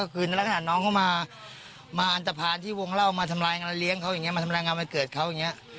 คือในลักษณะน้องเขามาอันตภัณฑ์ที่วงเล่ามาทำลายงานเลี้ยงเขาอย่างนี้มาทำรายงานวันเกิดเขาอย่างนี้